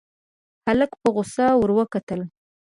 هلک په غوسه ور وکتل.